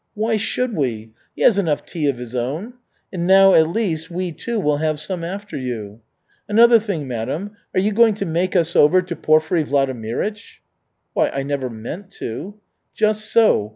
"Why should we? He has enough tea of his own. And now, at least, we, too, will have some after you. Another thing, madam, are you going to make us over to Porfiry Vladimirych?" "Why, I never meant to." "Just so.